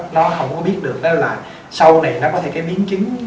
nó không có biết được đó là sau này nó có thể biến chứng